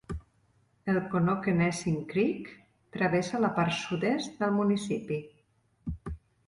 El Connoquenessing Creek travessa la part sud-est del municipi.